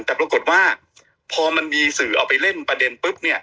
แต่ปรากฏว่าพอมันมีสื่อเอาไปเล่นประเด็นปุ๊บเนี่ย